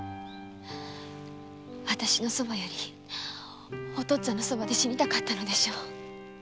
あたしの傍よりお父っつぁんの傍で死にたかったのでしょう。